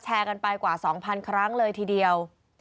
กันไปกว่า๒๐๐๐ครั้งเลยทีเดียว